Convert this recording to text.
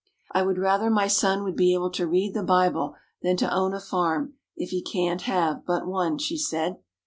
"I would rather my son would be able to read the Bible, than to own a farm, if he can't have but one," she said.